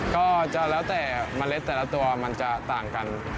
ก็แล้วแต่เมล็ดแต่ละตัวมันจะต่างกัน